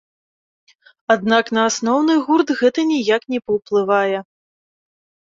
Аднак, на асноўны гурт гэта ніяк не паўплывае.